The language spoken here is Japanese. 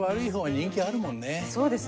そうですね。